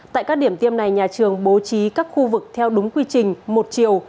tại các điểm tiêm này nhà trường bố trí các khu vực theo đúng quy trình một chiều